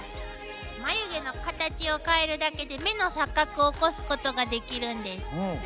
眉毛のカタチを変えるだけで目の錯覚を起こすことができるんです。